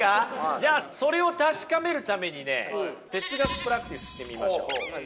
じゃあそれを確かめるためにね哲学プラクティスしてみましょう。